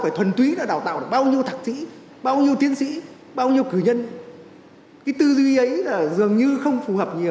cái tư duy ấy là dường như không phù hợp nhiều với lại cái tư duy về quản trị đại học